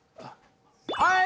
はい！